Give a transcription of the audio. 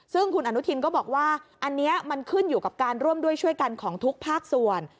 ซึ่งคุณอนุทินก็บอกว่าอันนี้มันขึ้นอยู่กับการร่วมด้วยช่วยกันของทุกภาคส่วน